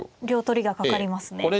両取りがかかりますね。